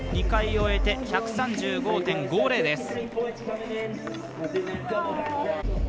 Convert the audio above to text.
２回終えて１３５．５０です。